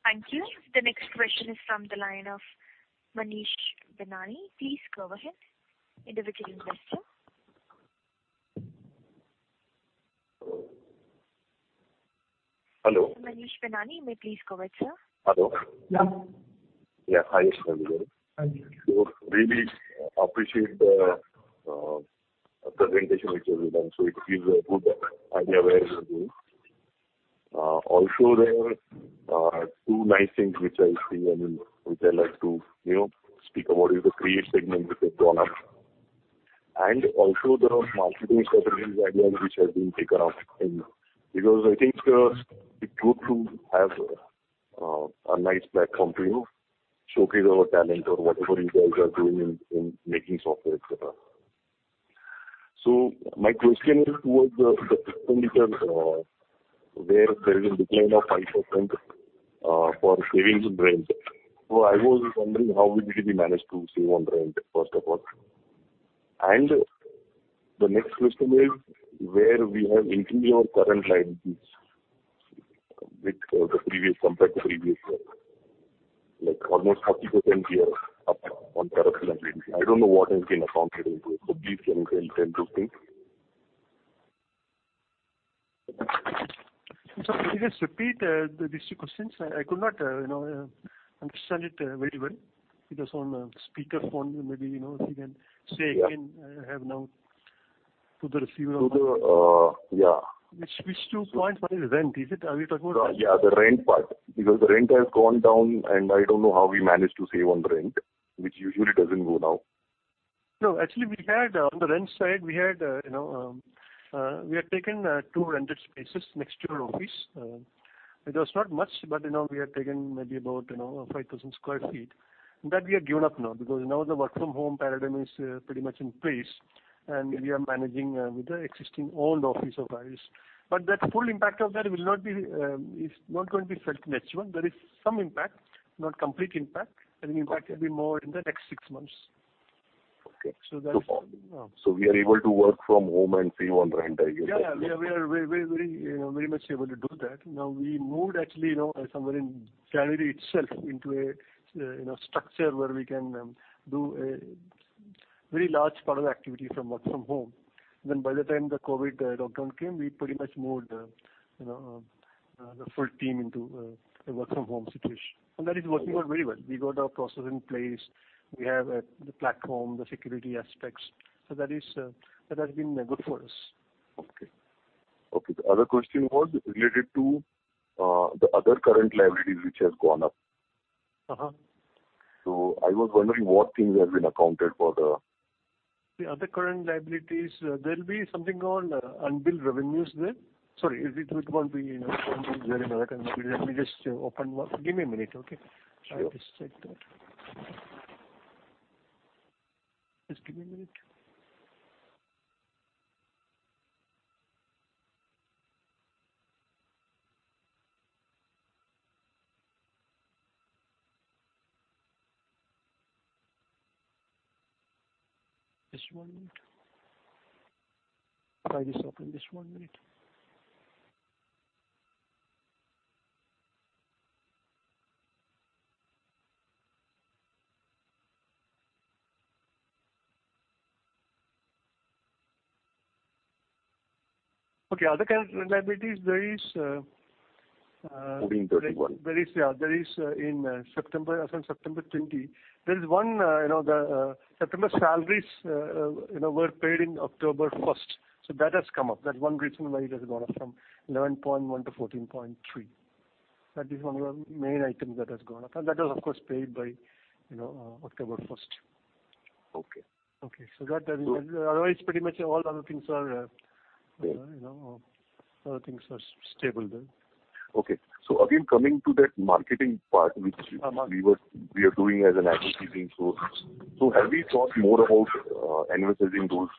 Thank you. The next question is from the line of Manish Banani. Please go ahead. Individual investor.
Hello.
Manish Banani, you may please go ahead, sir.
Hello.
Yeah.
Yeah. Hi, Subramaniam.
Hi.
Really appreciate the presentation which was done. It feels good and aware of the things. Also, there are two nice things which I see and which I like to speak about is the Create segment which has gone up. Also there are marketing strategies as well which has been taken up in, because I think it's good to have a nice platform to showcase our talent or whatever you guys are doing in making software, et cetera. My question is towards the system details, where there is a decline of 5% for savings in rent. I was wondering how did we manage to save on rent, first of all? The next question is, where we have increased our current liabilities with the previous compared to previous year. Like almost 30% we are up on current liabilities. I don't know what has been accounted into it. Please can you tell me those things?
I'm sorry. Can you just repeat these two questions? I could not understand it very well. It was on speaker phone. If you can say again, I have now to the receiver.
Yeah.
Which two points? One is rent, is it? Are we talking about rent?
Yeah, the rent part. Because the rent has gone down, and I don't know how we managed to save on the rent, which usually doesn't go down.
Actually, on the rent side, we had taken two rented spaces next to our office. It was not much, but we had taken maybe about 5,000 square feet. That we have given up now, because now the work from home paradigm is pretty much in place, and we are managing with the existing old office of ours. That full impact of that is not going to be felt next month. There is some impact, not complete impact. Impact will be more in the next six months.
Okay.
So that's-
We are able to work from home and save on rent, I guess.
Yeah. We are very much able to do that. We moved actually, somewhere in January itself, into a structure where we can do a very large part of activity from work from home. By the time the COVID-19 lockdown came, we pretty much moved the full team into a work from home situation. That is working out very well. We got our process in place. We have the platform, the security aspects. That has been good for us.
Okay. The other question was related to the other current liabilities which has gone up. I was wondering what things have been accounted for.
The other current liabilities, there'll be something called unbilled revenues there. Sorry, it won't be unbilled there. In that case, let me just open one. Give me a minute, okay?
Sure.
I'll just check that. Just give me a minute. Just one minute. I'll just open. Just one minute. Okay. Other current liabilities, there is-
1,431.
Yeah. There is, as on September 20, there is one, the September salaries were paid in October first. That has come up. That's one reason why it has gone up from 11.1 to 14.3. That is one of the main items that has gone up. That was, of course, paid by October 1st.
Okay.
Okay. Otherwise, pretty much all other things are.
There.
Other things are stable there.
Okay. again, coming to that marketing part.
Yeah.
We are doing as an advertising tool. Have we thought more about analyzing those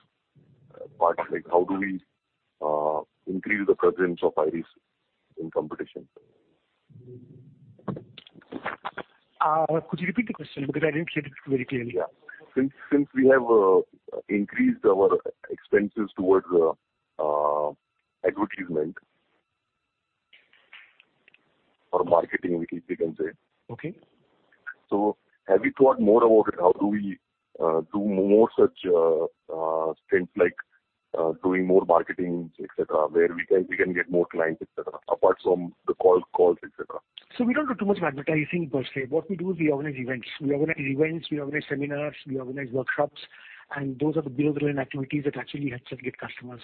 parts? Like how do we increase the presence of IRIS in competition?
Could you repeat the question? I didn't hear it very clearly.
Yeah. Since we have increased our expenses towards advertisement or marketing, we can say.
Okay.
Have you thought more about it? How do we do more such things like doing more marketings, et cetera, where we can get more clients, et cetera, apart from the cold calls, et cetera?
We don't do too much of advertising per se. What we do is we organize events. We organize events, we organize seminars, we organize workshops, and those are the build-related activities that actually helps us get customers.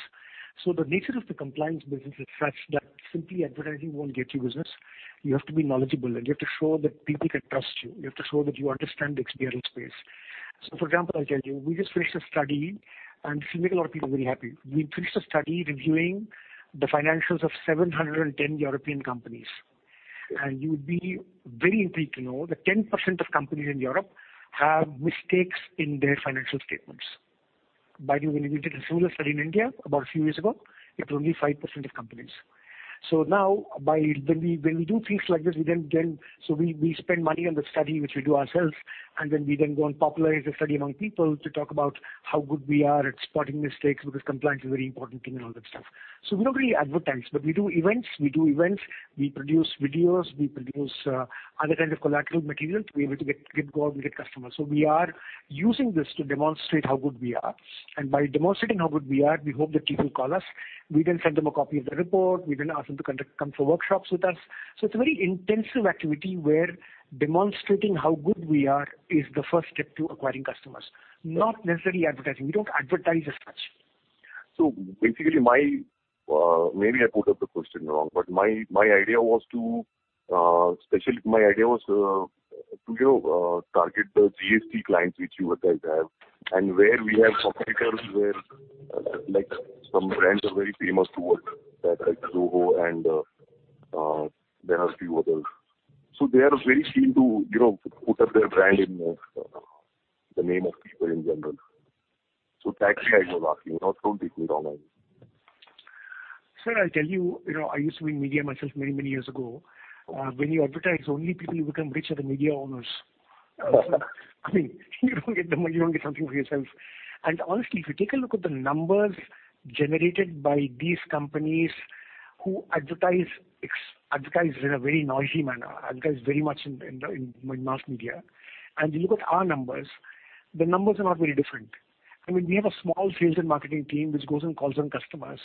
The nature of the compliance business is such that simply advertising won't get you business. You have to be knowledgeable, and you have to show that people can trust you. You have to show that you understand the XBRL space. For example, I'll tell you, we just finished a study, and this will make a lot of people very happy. We finished a study reviewing the financials of 710 European companies. You would be very intrigued to know that 10% of companies in Europe have mistakes in their financial statements. By the way, when we did a similar study in India about a few years ago, it was only 5% of companies. Now, when we do things like this, we spend money on the study, which we do ourselves, and then we go and popularize the study among people to talk about how good we are at spotting mistakes, because compliance is a very important thing and all that stuff. We don't really advertise, but we do events. We produce videos, we produce other kinds of collateral materials to be able to get customers. We are using this to demonstrate how good we are. By demonstrating how good we are, we hope that people call us. We then send them a copy of the report. We then ask them to come for workshops with us. It's a very intensive activity, where demonstrating how good we are is the first step to acquiring customers. Not necessarily advertising. We don't advertise as such.
Basically, maybe I put up the question wrong, but my idea was to target the GST clients, which you guys have, and where we have competitors where some brands are very famous towards that, like Zoho and there are a few others. They are very keen to put up their brand in the name of people in general. That's why I was asking. Don't take me wrong.
Sir, I'll tell you, I used to be in media myself many, many years ago. When you advertise, the only people who become rich are the media owners. You don't get the money. You don't get something for yourself. Honestly, if you take a look at the numbers generated by these companies Who advertise in a very noisy manner, advertise very much in mass media. You look at our numbers, the numbers are not very different. We have a small sales and marketing team which goes and calls on customers.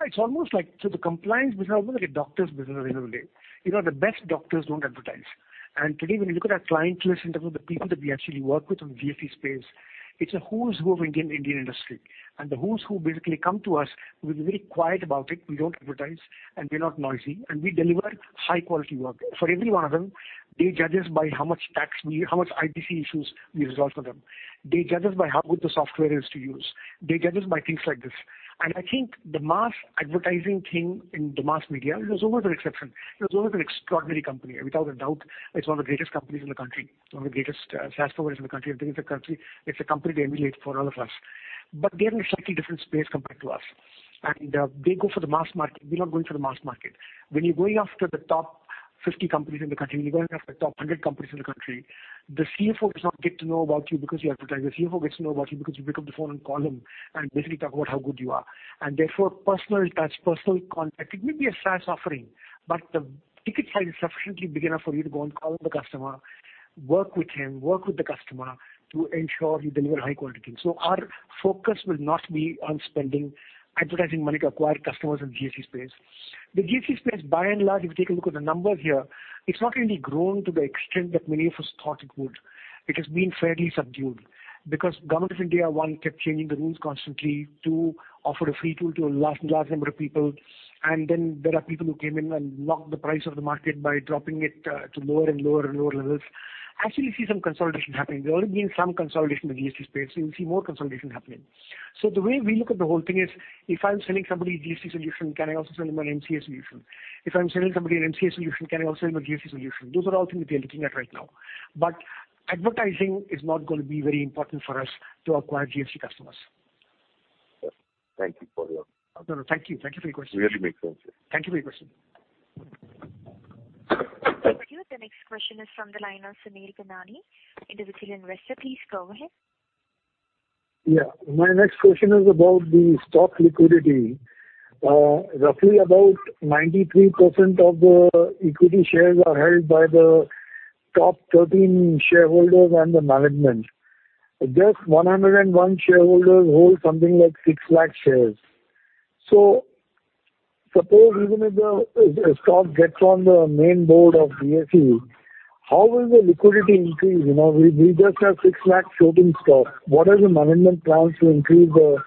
The compliance business is almost like a doctor's business at the end of the day. The best doctors don't advertise. Today, when you look at our client list, in terms of the people that we actually work with on the GST space, it's a who's who of Indian industry. The who's who basically come to us. We'll be very quiet about it. We don't advertise, and we're not noisy, and we deliver high-quality work. For every one of them, they judge us by how much tax, how much ITC issues we resolve for them. They judge us by how good the software is to use. They judge us by things like this. I think the mass advertising thing in the mass media, it was always an exception. It was always an extraordinary company. Without a doubt, it's one of the greatest companies in the country, one of the greatest SaaS providers in the country. I think it's a company they emulate for all of us. They're in a slightly different space compared to us. They go for the mass market. We're not going for the mass market. When you're going after the top 50 companies in the country, when you're going after the top 100 companies in the country, the CFO does not get to know about you because you advertise. The CFO gets to know about you because you pick up the phone and call him and basically talk about how good you are, and therefore personal touch, personal contact. It may be a SaaS offering, but the ticket size is sufficiently big enough for you to go and call the customer, work with him, work with the customer to ensure you deliver high quality. Our focus will not be on spending advertising money to acquire customers in the GST space. The GST space, by and large, if you take a look at the numbers here, it's not really grown to the extent that many of us thought it would. It has been fairly subdued because Government of India, one, kept changing the rules constantly, two, offered a free tool to a large number of people, then there are people who came in and knocked the price of the market by dropping it to lower and lower levels. Actually, we see some consolidation happening. There has already been some consolidation in the GST space, so you'll see more consolidation happening. The way we look at the whole thing is, if I'm selling somebody a GST solution, can I also sell them an MCA solution? If I'm selling somebody an MCA solution, can I also sell them a GST solution? Those are all things we are looking at right now. Advertising is not going to be very important for us to acquire GST customers.
No, thank you.
Thank you for your question.
Really makes sense, yes.
Thank you for your question.
Thank you. The next question is from the line of Sunil Benani, individual investor. Please go ahead.
Yeah. My next question is about the stock liquidity. Roughly about 93% of the equity shares are held by the top 13 shareholders and the management. Just 101 shareholders hold something like 6 lakh shares. Suppose even if the stock gets on the main board of BSE, how will the liquidity increase? We just have six lakh floating stock. What are the management plans to increase the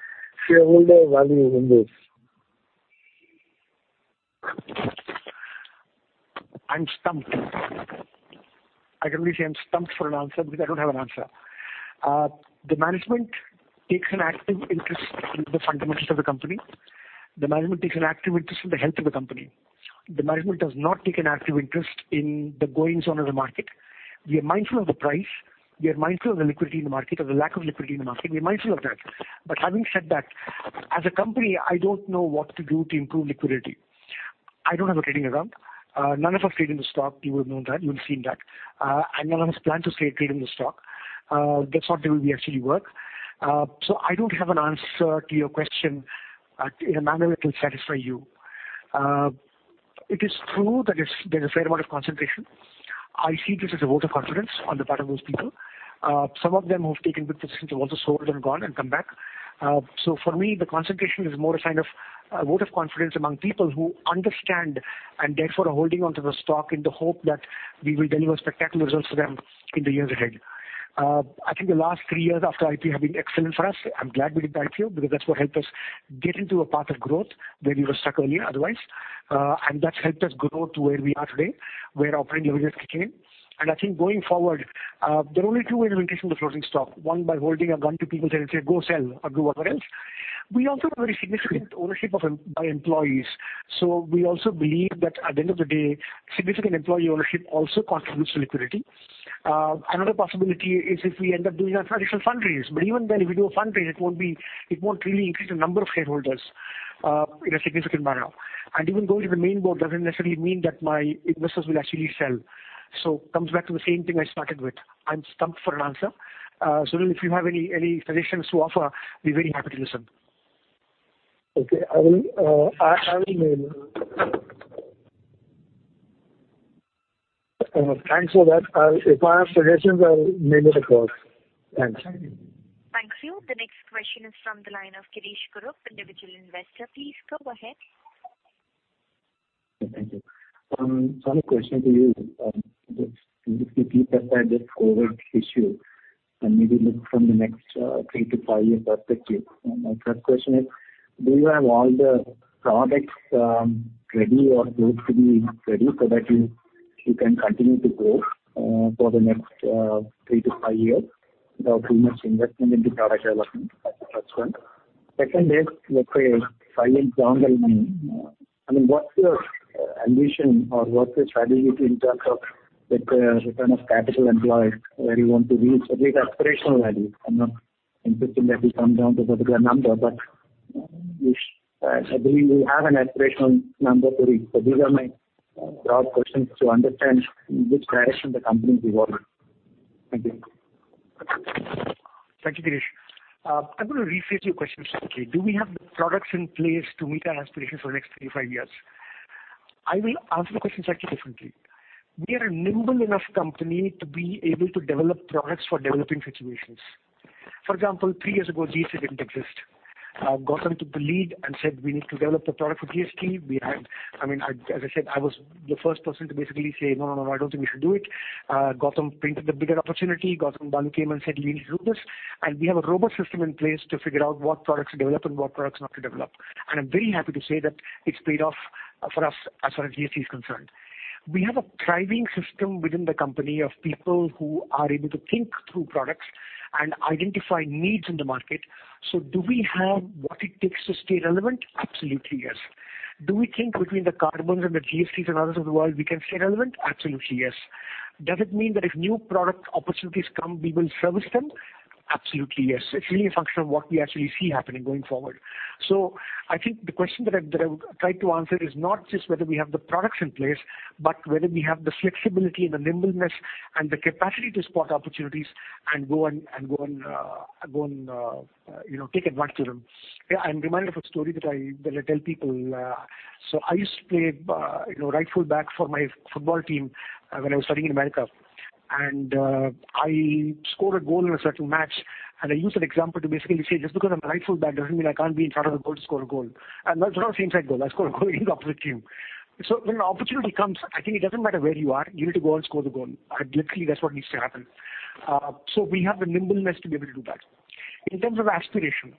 shareholder value in this?
I'm stumped. I can only say I'm stumped for an answer because I don't have an answer. The management takes an active interest in the fundamentals of the company. The management takes an active interest in the health of the company. The management does not take an active interest in the goings-on of the market. We are mindful of the price. We are mindful of the liquidity in the market or the lack of liquidity in the market. We are mindful of that. Having said that, as a company, I don't know what to do to improve liquidity. I don't have a trading account. None of us trade in the stock. You would know that. You would have seen that. None of us plan to start trading the stock. That's not the way we actually work. I don't have an answer to your question in a manner that will satisfy you. It is true that there's a fair amount of concentration. I see this as a vote of confidence on the part of those people. Some of them who have taken big positions have also sold and gone and come back. For me, the concentration is more a sign of a vote of confidence among people who understand, and therefore are holding onto the stock in the hope that we will deliver spectacular results to them in the years ahead. I think the last three years after IPO have been excellent for us. I'm glad we did the IPO because that's what helped us get into a path of growth where we were stuck earlier otherwise. That's helped us grow to where we are today, where operating leverage has kicked in. I think going forward, there are only two ways of increasing the floating stock, one, by holding a gun to people's heads and say, "Go sell or do whatever else." We also have very significant ownership by employees. We also believe that at the end of the day, significant employee ownership also contributes to liquidity. Another possibility is if we end up doing an additional fundraise. Even then, if we do a fundraise, it won't really increase the number of shareholders in a significant manner. Even going to the main board doesn't necessarily mean that my investors will actually sell. It comes back to the same thing I started with. I'm stumped for an answer. Sunil, if you have any suggestions to offer, we're very happy to listen.
Okay. Thanks for that. If I have suggestions, I will make it across. Thanks.
Thank you. The next question is from the line of Girish Kurup, individual investor. Please go ahead.
Thank you. I have a question to you. If we set aside this COVID issue and maybe look from the next three to five-year perspective, my first question is, do you have all the products ready or good to be ready so that you can continue to grow for the next three to five years without too much investment into product development? That's the first one. Second is, let's say five years down the line, what's your ambition or what's your strategy in terms of return of capital employed, where you want to reach a big aspirational value? I'm not insisting that you come down to a particular number, but I believe you have an aspirational number to reach. These are my broad questions to understand in which direction the company is evolving. Thank you.
Thank you, Girish. I'm going to rephrase your question slightly. Do we have the products in place to meet our aspirations for the next three to five years? I will answer the question slightly differently. We are a nimble enough company to be able to develop products for developing situations. For example, three years ago, GST didn't exist. Gautam took the lead and said we need to develop the product for GST. As I said, I was the first person to basically say, "No, I don't think we should do it." Gautam painted the bigger opportunity. Gautam and Balu came and said we need to do this. We have a robust system in place to figure out what products to develop and what products not to develop. I'm very happy to say that it's paid off for us as far as GST is concerned. We have a thriving system within the company of people who are able to think through products and identify needs in the market. Do we have what it takes to stay relevant? Absolutely, yes. Do we think between the Carbons and the GSTs and others of the world, we can stay relevant? Absolutely, yes. Does it mean that if new product opportunities come, we will service them? Absolutely, yes. It's really a function of what we actually see happening going forward. I think the question that I would try to answer is not just whether we have the products in place, but whether we have the flexibility, the nimbleness, and the capacity to spot opportunities and go and take advantage of them. I'm reminded of a story that I tell people. I used to play right full back for my football team when I was studying in America. I scored a goal in a certain match, and I use that example to basically say, just because I'm right full back doesn't mean I can't be in front of the goal to score a goal. That's not a same side goal. I scored a goal in the opposite team. When an opportunity comes, I think it doesn't matter where you are, you need to go and score the goal. I think literally that's what needs to happen. We have the nimbleness to be able to do that. In terms of aspiration,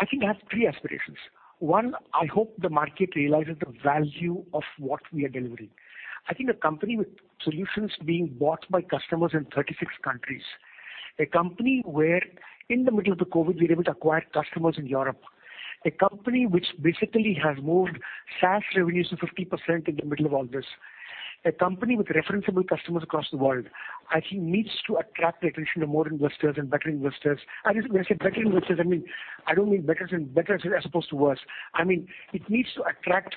I think I have three aspirations. One, I hope the market realizes the value of what we are delivering. I think a company with solutions being bought by customers in 36 countries, a company where in the middle of the COVID-19, we were able to acquire customers in Europe. A company which basically has moved SaaS revenues to 50% in the middle of all this. A company with referenceable customers across the world, I think needs to attract the attention of more investors and better investors. When I say better investors, I don't mean better as opposed to worse. I mean, it needs to attract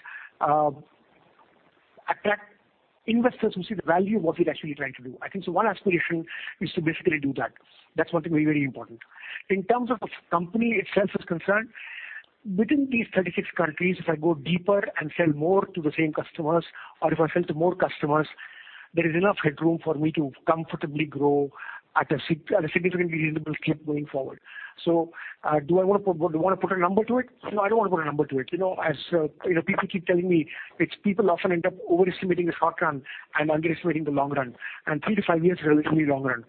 investors who see the value of what we're actually trying to do. I think so one aspiration is to basically do that. That's one thing very important. In terms of company itself is concerned, within these 36 countries, if I go deeper and sell more to the same customers, or if I sell to more customers, there is enough headroom for me to comfortably grow at a significantly reasonable clip going forward. Do I want to put a number to it? No, I don't want to put a number to it. As people keep telling me, it's people often end up overestimating the short run and underestimating the long run, and three to five years is a relatively longer run.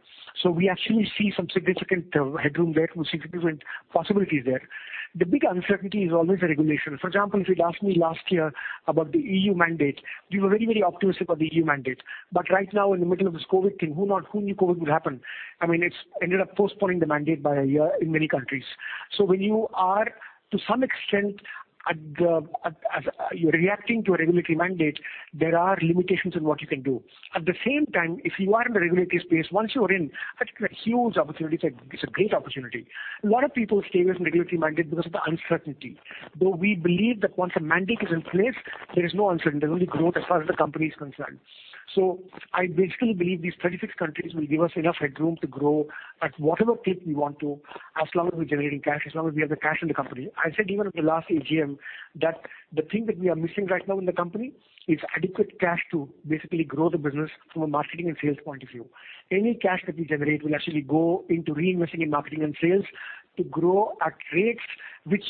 We actually see some significant headroom there. We see different possibilities there. The big uncertainty is always the regulation. For example, if you'd asked me last year about the EU mandate, we were very optimistic about the EU mandate. Right now, in the middle of this COVID thing, who knew COVID would happen? It's ended up postponing the mandate by a year in many countries. When you are to some extent, you're reacting to a regulatory mandate, there are limitations on what you can do. At the same time, if you are in the regulatory space, once you are in, I think it's a huge opportunity. It's a great opportunity. A lot of people stay with regulatory mandate because of the uncertainty, though we believe that once a mandate is in place, there is no uncertainty, only growth as far as the company is concerned. I basically believe these 36 countries will give us enough headroom to grow at whatever clip we want to, as long as we're generating cash, as long as we have the cash in the company. I said even at the last AGM that the thing that we are missing right now in the company is adequate cash to basically grow the business from a marketing and sales point of view. Any cash that we generate will actually go into reinvesting in marketing and sales to grow at rates which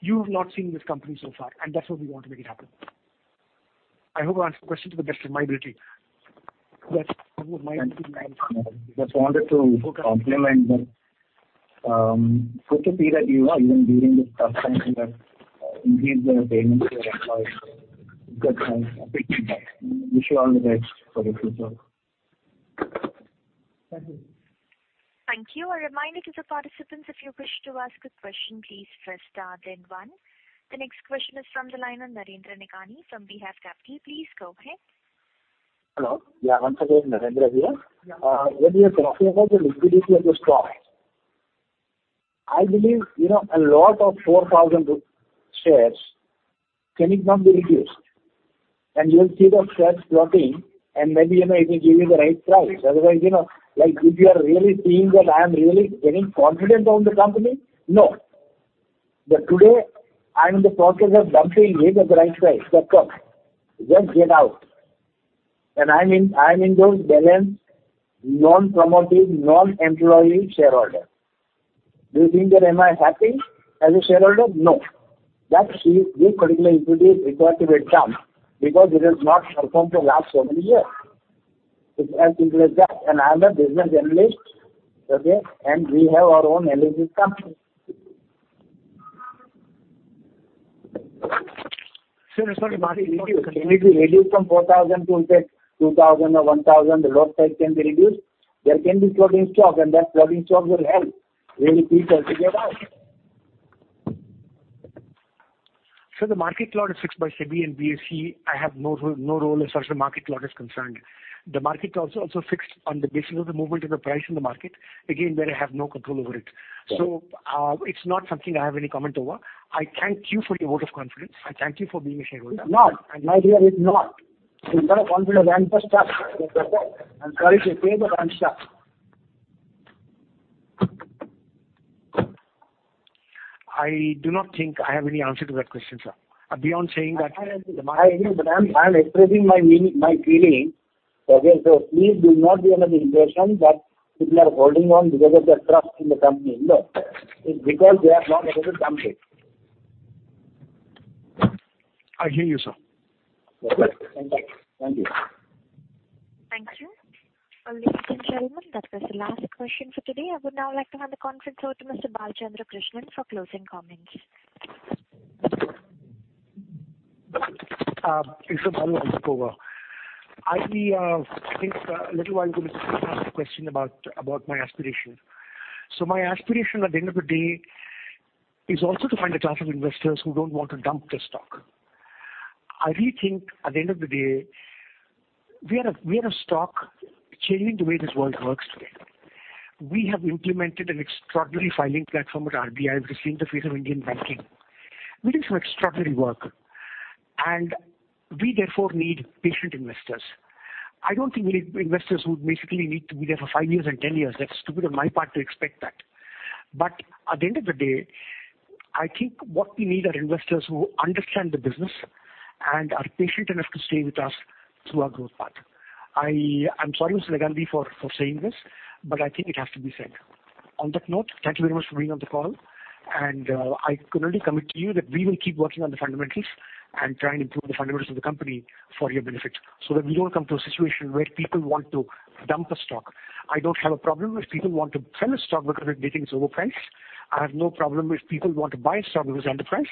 you've not seen this company so far, and that's what we want to make it happen. I hope I've answered the question to the best of my ability.
Just wanted to compliment that. Good to see that even during this tough time, you have increased the payments to your employees. Good sign. Wish you all the best for the future.
Thank you.
Thank you. A reminder to the participants, if you wish to ask a question, please press star then one. The next question is from the line of Narendra Negandhi from Beehive Capital. Please go ahead.
Hello. Yeah, once again, Narendra here. When we are talking about the liquidity of the stock, I believe, a lot of 4,000 shares can it not be reduced? You will see the shares floating and maybe it will give you the right price. Otherwise, if you are really seeing that I am really getting confident on the company, no. Today, I'm in the process of dumping it at the right price. That's all. Just get out. I'm in those balanced, non-promoting, non-employee shareholder. Do you think that am I happy as a shareholder? No. That share, this particular equity is required to dumped because it has not performed for last so many years. It's as simple as that. I'm a business analyst, okay? We have our own analytics company.
Sir, sorry, Narendra, repeat the question.
It need to be reduced from 4,000 to, let's say, 2,000 or 1,000. The lot size can be reduced. There can be floating stock. That floating stock will help really people to get out.
Sir, the market lot is fixed by SEBI and BSE. I have no role as far as the market lot is concerned. The market lot is also fixed on the basis of the movement of the price in the market. There I have no control over it. It's not something I have any comment over. I thank you for your vote of confidence. I thank you for being a shareholder.
It's not. My view is it's not. Instead of confidence, I am just stuck, I am sorry to say but I am stuck.
I do not think I have any answer to that question, sir, beyond saying that.
I hear you, I am expressing my feeling. Okay. Please do not be under the impression that people are holding on because of their trust in the company. No. It's because they have not been able to dump it.
I hear you, sir.
Okay. Thank you.
Thank you. Ladies and gentlemen, that was the last question for today. I would now like to hand the conference over to Mr. Balachandran Krishnan for closing comments.
Mr. Balu, I'll take over. I think a little while ago, you asked a question about my aspiration. My aspiration at the end of the day is also to find a class of investors who don't want to dump the stock. I really think, at the end of the day, we are a stock changing the way this world works today. We have implemented an extraordinary filing platform at RBI, which is in the face of Indian banking. We're doing some extraordinary work, and we therefore need patient investors. I don't think we need investors who would basically need to be there for five years and 10 years. That's stupid on my part to expect that. At the end of the day, I think what we need are investors who understand the business and are patient enough to stay with us through our growth path. I'm sorry, Mr. Negandhi, for saying this, but I think it has to be said. On that note, thank you very much for being on the call, and I can only commit to you that we will keep working on the fundamentals and try and improve the fundamentals of the company for your benefit so that we don't come to a situation where people want to dump the stock. I don't have a problem if people want to sell the stock because they think it's overpriced. I have no problem if people want to buy stock because it's underpriced.